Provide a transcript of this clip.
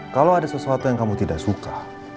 kalau ada sesuatu yang kamu tidak suka